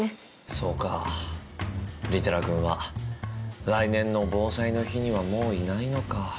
そうか利寺君は来年の防災の日にはもういないのか。